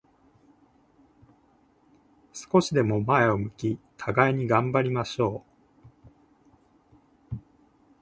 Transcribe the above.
少しでも前を向き、互いに頑張りましょう。